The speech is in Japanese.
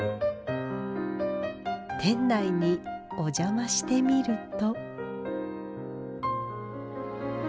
店内にお邪魔してみると。